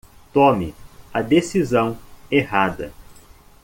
Tome a decisão errada